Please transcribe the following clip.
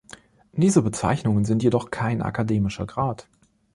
Diese Bezeichnungen sind jedoch kein akademischer Grad.